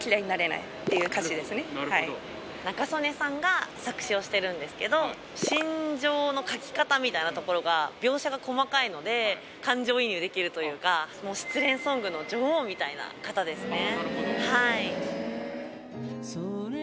続いて３０代っていう歌詞ですね心情の書き方みたいなところが描写が細かいので感情移入できるというかもう失恋ソングの女王みたいな方ですね